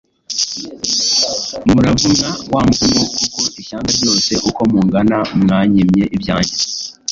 Muravumwa wa muvumo; kuko ishyanga ryose uko mungana mwanyimye ibyange